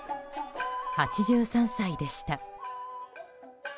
８３歳でした。